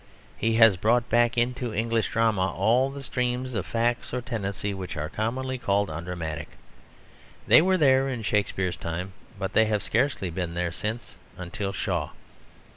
He has brought back into English drama all the streams of fact or tendency which are commonly called undramatic. They were there in Shakespeare's time; but they have scarcely been there since until Shaw.